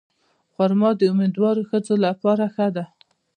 خرما د امیندوارو ښځو لپاره ښه ده.